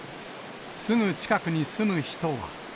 すぐ近くに住む人は。